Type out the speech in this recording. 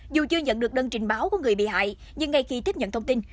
dù chưa nhận được đơn trình báo của người bị hại nhưng ngay khi tiếp nhận thông tin